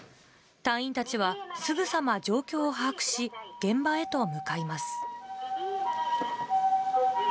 隊員たちはすぐさま状況を把握し、現場へと向かいます。